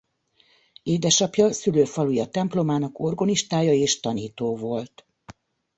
Édesapja szülőfaluja templomának orgonistája és tanító volt.